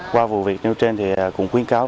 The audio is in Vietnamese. qua vụ việc như trên thì cũng khuyến cáo